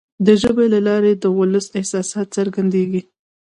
د ژبي له لارې د ولس احساسات څرګندیږي.